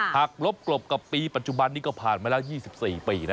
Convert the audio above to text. กรบกลบกับปีปัจจุบันนี้ก็ผ่านมาแล้ว๒๔ปีนะ